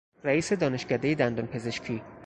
رئیس دانشکدهی دندانپزشکی